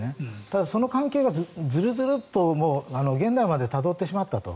ただ、その関係がずるずるっと現代までたどってしまったと。